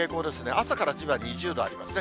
朝から千葉２０度ありますね。